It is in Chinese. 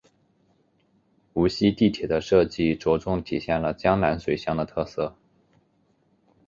无锡地铁的设计着重体现了江南水乡的特色。